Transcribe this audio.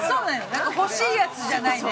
なんか欲しいやつじゃないね。